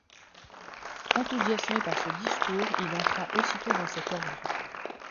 Enthousiasmé par ce discours, il entra aussitôt dans cet ordre.